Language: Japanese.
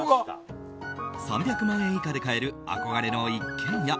３００万円以下で買える憧れの一軒家。